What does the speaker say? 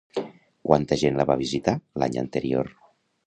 Quanta gent la va visitar l'any anterior?